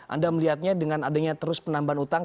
anda melihatnya dengan adanya terus penambahan utang